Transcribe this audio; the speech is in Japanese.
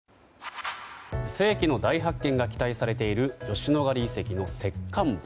世紀の大発見が期待されている吉野ヶ里遺跡の石棺墓。